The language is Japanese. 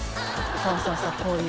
そうそうこういう。